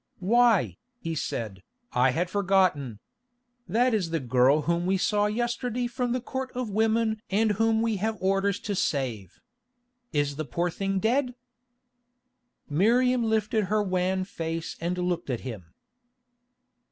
"Why," he said, "I had forgotten. That is the girl whom we saw yesterday from the Court of Women and whom we have orders to save. Is the poor thing dead?" Miriam lifted her wan face and looked at him.